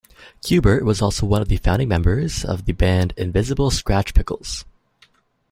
Qbert was also one of the founding members of the band Invisibl Skratch Piklz.